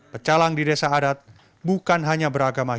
pecalang di desa adat bukan hanya beragama